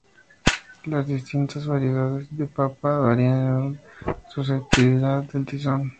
Las distintas variedades de papa varían en su susceptibilidad al tizón.